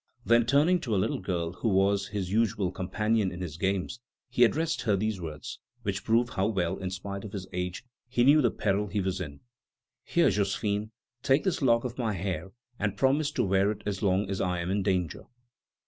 Then, turning to a little girl who was his usual companion in his games, he addressed her these words, which prove how well, in spite of his age, he knew the peril he was in: "Here, Josephine, take this lock of my hair, and promise to wear it as long as I am in danger."